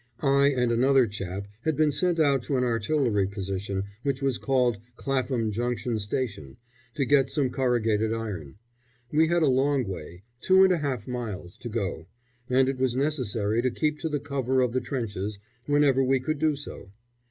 I and another chap had been sent out to an artillery position which was called Clapham Junction Station, to get some corrugated iron. We had a long way two and a half miles to go, and it was necessary to keep to the cover of the trenches whenever we could do so.